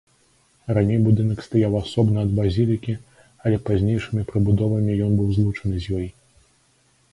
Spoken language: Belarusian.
Раней будынак стаяў асобна ад базілікі, але пазнейшымі прыбудовамі ён быў злучаны з ёй.